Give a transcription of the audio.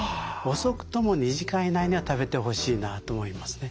遅くとも２時間以内には食べてほしいなと思いますね。